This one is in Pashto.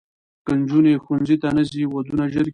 که نجونې ښوونځي ته نه ځي، ودونه ژر کېږي.